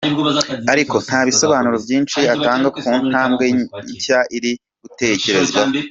Ariko nta bisobanuro byinshi atanga ku ntambwe nshya iri gutekerezwaho.